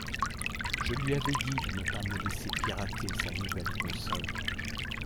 Je lui avais dit de ne pas me laisser pirater sa nouvelle console !